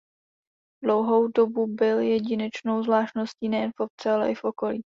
Dlouhou dobu byl jedinečnou zvláštností nejen v obci ale i v okolí.